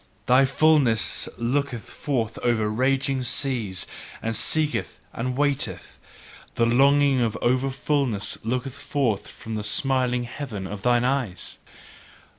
Thy fulness looketh forth over raging seas, and seeketh and waiteth: the longing of over fulness looketh forth from the smiling heaven of thine eyes!